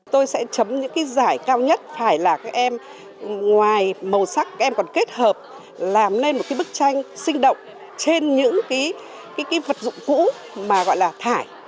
tôi sẽ chấm những cái giải cao nhất phải là các em ngoài màu sắc các em còn kết hợp làm nên một cái bức tranh sinh động trên những cái vật dụng cũ mà gọi là thải